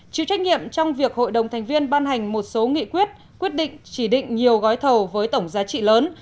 chịu trách nhiệm trong việc hội đồng thành viên ban hành một số nghị quyết quyết định chỉ định nhiều gói thầu với tổng giá trị lớn